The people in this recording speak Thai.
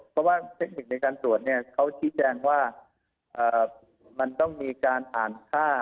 เพราะว่าเทคนิคในการตรวจเนี่ยเขาชี้แจงว่ามันต้องมีการอ่านค่า